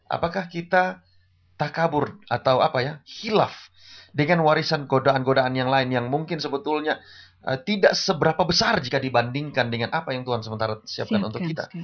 apakah kita takabur atau hilaf dengan warisan godaan godaan yang lain yang mungkin sebetulnya tidak seberapa besar jika dibandingkan dengan apa yang tuhan sementara siapkan untuk kita